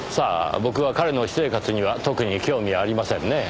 僕は彼の私生活には特に興味ありませんねぇ。